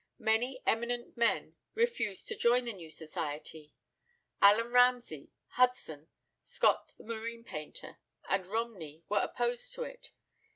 Many eminent men refused to join the new society. Allan Ramsay, Hudson, Scott the marine painter, and Romney were opposed to it.